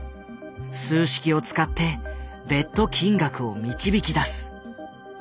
数式を使ってベット金額を導き出す。